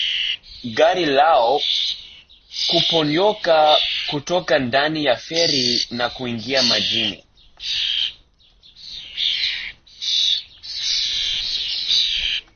gari lao kuponyoka kutoka ndani ya feri na kuingia majini